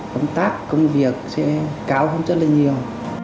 công tác công việc sẽ cao hơn rất là nhiều